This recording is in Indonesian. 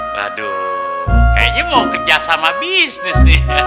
waduh kayaknya mau kerjasama bisnis nih